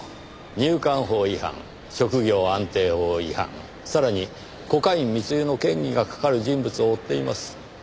入管法違反職業安定法違反さらにコカイン密輸の嫌疑がかかる人物を追っています。